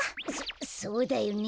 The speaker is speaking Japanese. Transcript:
そうだよね。